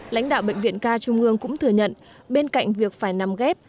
lãnh đạo bệnh viện ca trung ương cũng thừa nhận bên cạnh việc phải nằm ghép